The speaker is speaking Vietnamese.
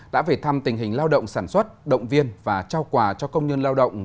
đã về thăm tình hình lao động sản xuất động viên và trao quà cho công nhân lao động